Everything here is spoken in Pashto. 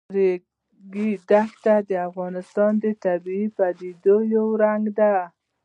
د ریګ دښتې د افغانستان د طبیعي پدیدو یو رنګ دی.